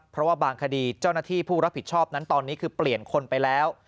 เพราะว่าบางคดีเจ้าหน้าที่ผู้รับผิดชอบนั้นตอนนี้คือเปลี่ยนคนไปแล้ว